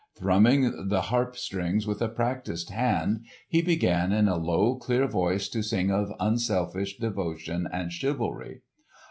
Thrumming the harp strings with a practised hand he began in a low clear voice to sing of unselfish devotion and chivalry.